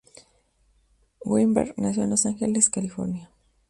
Weinberg nació en Los Ángeles, California.